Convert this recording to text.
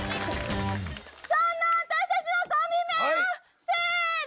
そんな私たちのコンビ名はせの！